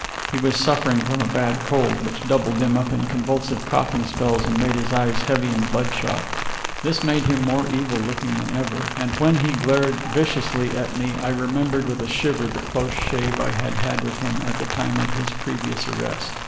He was suffering from a bad cold, which doubled him up in convulsive coughing spells and made his eyes heavy and bloodshot. This made him more evil looking than ever, and when he glared viciously at me I remembered with a shiver the close shave I had had with him at the time of his previous arrest.